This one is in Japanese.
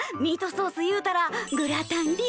ミートソースいうたらグラタン